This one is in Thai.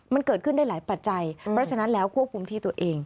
มันเกิดขึ้นได้หลายปัจจัยเพราะฉะนั้นแล้วควบคุมที่ตัวเอง